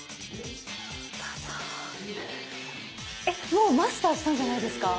もうマスターしたんじゃないですか？